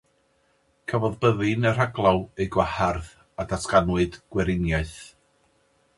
Cafodd byddin y rhaglaw eu gwahardd a datganwyd Gweriniaeth.